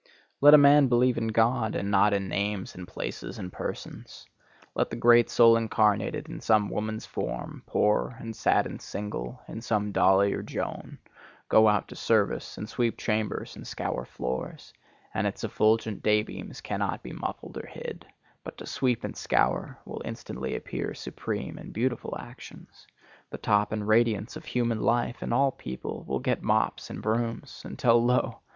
Let a man believe in God, and not in names and places and persons. Let the great soul incarnated in some woman's form, poor and sad and single, in some Dolly or Joan, go out to service, and sweep chambers and scour floors, and its effulgent daybeams cannot be muffled or hid, but to sweep and scour will instantly appear supreme and beautiful actions, the top and radiance of human life, and all people will get mops and brooms; until, lo!